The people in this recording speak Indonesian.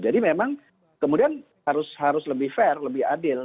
memang kemudian harus lebih fair lebih adil